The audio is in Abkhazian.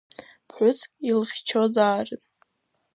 Ԥҳәыск илыхьчозаарын.